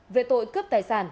về tội cướp tài sản